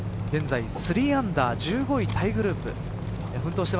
現在３アンダー１５位タイグループ